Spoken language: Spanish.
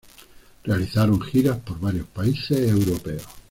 Realizaron giras por varios países europeos.